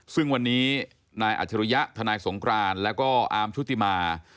ซึ่งวันนี้นายอัจฉริยะทนายสงครานแล้วก็อาร์มชุติมา